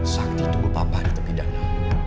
sakti tunggu papa di tepi dana